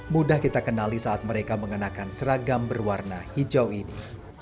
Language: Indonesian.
mudah kita kenali saat mereka mengenakan seragam berwarna hijau ini